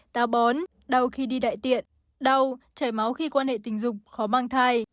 táo bón đau khi đi đại tiện đau chảy máu khi quan hệ tình dục khó mang thai